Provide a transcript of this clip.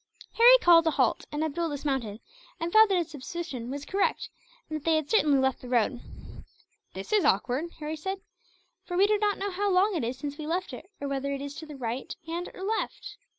Harry called a halt; and Abdool dismounted, and found that his suspicion was correct, and that they had certainly left the road. "This is awkward," Harry said, "for we do not know how long it is since we left it, or whether it is to the right hand or left."